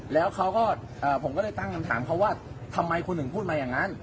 แล้วเขาก็ผมก็เลยตั้งคำถามเขาว่าทำไมคุณถึงพูดมาอย่างนั้น